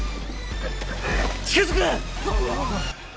近づくな！